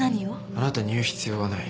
あなたに言う必要はない。